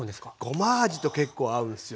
ごま味と結構合うんすよ。